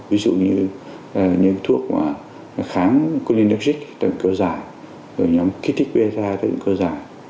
ví dụ như những thuốc kháng cholinergic tác dụng cơ giải nhóm kích thích bsi tác dụng cơ giải